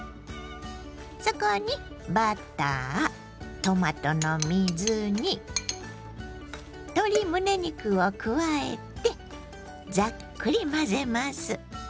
そこにバタートマトの水煮鶏むね肉を加えてざっくり混ぜます。